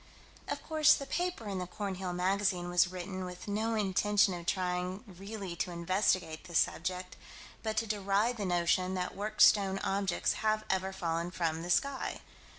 Of course the paper in the Cornhill Magazine was written with no intention of trying really to investigate this subject, but to deride the notion that worked stone objects have ever fallen from the sky.